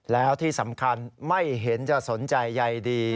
แล้วที่สำคัญไม่เห็นจะสนใจใยดี